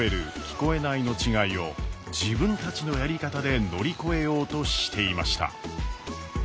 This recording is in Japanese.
・聞こえないの違いを自分たちのやり方で乗り越えようとしていました。